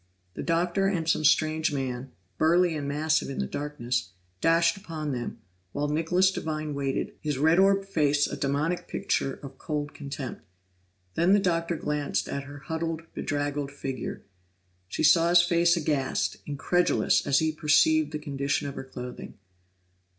The Doctor and some strange man, burly and massive in the darkness, dashed upon them, while Nicholas Devine waited, his red orbed face a demoniac picture of cold contempt. Then the Doctor glanced at her huddled, bedraggled figure; she saw his face aghast, incredulous, as he perceived the condition of her clothing.